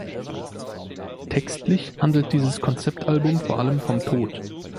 Textlich handelt dieses Konzeptalbum vor allem vom Tod.